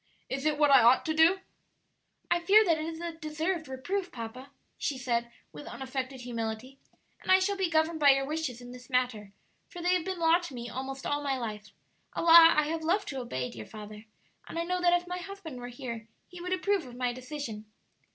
'Is it what I ought to do?'" "I fear that is a deserved reproof, papa," she said, with unaffected humility; "and I shall be governed by your wishes in this matter, for they have been law to me almost all my life (a law I have loved to obey, dear father), and I know that if my husband were here he would approve of my decision."